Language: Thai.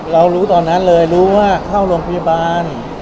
เรารู้ตอนนั้นเลยรู้ว่าเข้าโรงพยาบาล